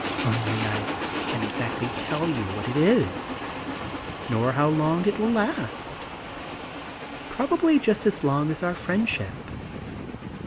Only I can't exactly tell you what it is, nor how long it will last Probably just as long as our friendship.